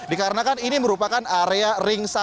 dikarenakan ini merupakan area ring satu